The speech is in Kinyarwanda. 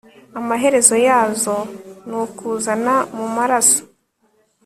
amaherezo yazo ni ukuzana mu maraso